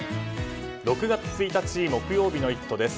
６月１日、木曜日の「イット！」です。